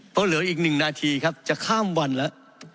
เพราะเหลืออีก๑นาทีครับจะข้ามวันแล้ว